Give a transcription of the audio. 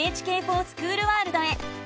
「ＮＨＫｆｏｒＳｃｈｏｏｌワールド」へ。